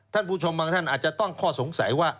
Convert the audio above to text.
ท่านผู้ชมบางท่านอาจจะตั้งข้อสงสัยว่า